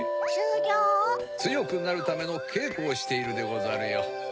つよくなるためのけいこをしているでござるよ。